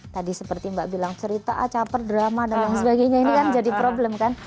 tadi seperti mbak bilang cerita per drama dan lain sebagainya ini kan jadi problem kan